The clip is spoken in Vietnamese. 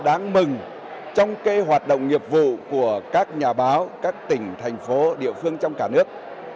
đáng mừng trong hoạt động nghiệp vụ của các nhà báo các tỉnh thành phố địa phương trong cả nước